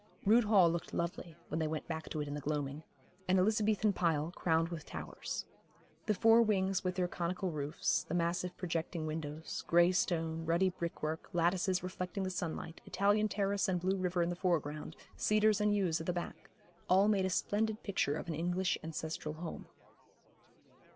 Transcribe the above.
Rood Hall looked lovely when they went back to it in the gloaming, an Elizabethan pile crowned with towers. The four wings with their conical roofs, the massive projecting windows, grey stone, ruddy brickwork, lattices reflecting the sunlight, Italian terrace and blue river in the foreground, cedars and yews at the back, all made a splendid picture of an English ancestral home.